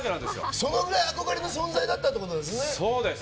それくらい憧れの存在だったということですよね。